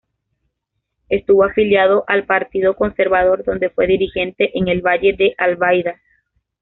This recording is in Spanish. Estuvo afiliado al Partido Conservador, donde fue dirigente en el Valle de Albaida.